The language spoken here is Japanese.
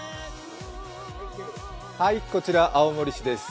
こちら青森市です。